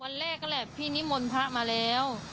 วันแรกนั่นแหละพี่นิมนต์พระมาแล้ว